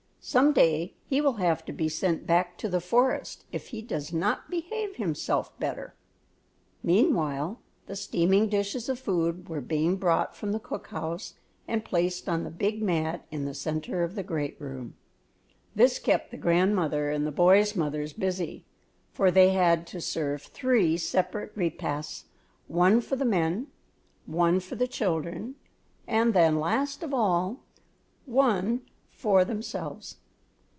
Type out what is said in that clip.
"Some day he will have to be sent back to the forest if he does not behave himself better." Meanwhile the steaming dishes of food were being brought from the cook house and placed on the big mat in the centre of the great room; this kept the grandmother and the boys' mothers busy, for they had to serve three separate repasts, one for the men, one for the children, and then, last of all, one for themselves.